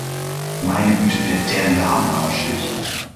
Meine Güte, fährt der lahmarschig!